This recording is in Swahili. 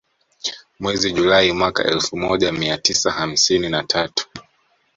Mwezi Julai mwaka elfu moja mia tisa hamsini na tatu